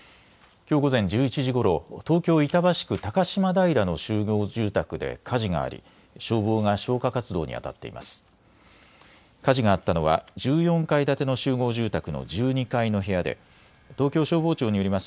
きょう午前１１時ごろ、東京板橋区高島平の集合住宅で火事があり消防が消火活動にあたっています。